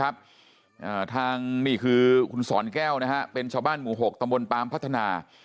ทางนี่คือคุณสอนแก้วนะฮะเป็นชาวบ้านหมู่หกตำบลปามพัฒนา